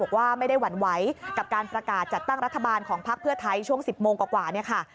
บอกว่าไม่ได้หวั่นไหวกับการประกาศจัดตั้งรัฐบาลของพักเพื่อไทยช่วง๑๐โมงกว่าเนี่ยค่ะ